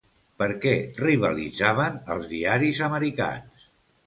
Per què rivalitzaven els diaris americans?